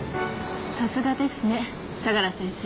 さすがですね相良先生。